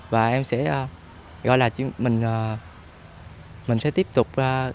và em sẽ gọi là mình sẽ tiếp tục